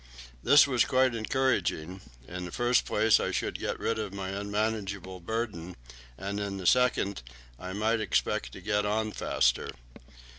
This was quite encouraging: in the first place, I should get rid of my unmanageable burden, and in the second I might expect to get on faster.